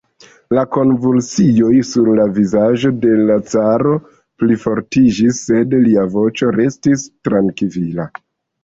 La konvulsioj sur la vizaĝo de l' caro plifortiĝis, sed lia voĉo restis trankvila.